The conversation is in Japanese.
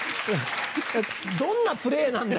どんなプレーなんだ？